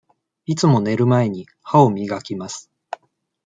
いつも寝る前に、歯を磨きます。